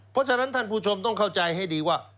เพราะฉะนั้นท่านผู้ชมต้องเข้าใจให้ดีว่า